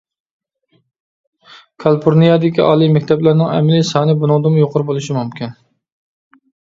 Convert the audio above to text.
كالىفورنىيەدىكى ئالىي مەكتەپلەرنىڭ ئەمەلىي سانى بۇنىڭدىنمۇ يۇقىرى بولۇشى مۇمكىن.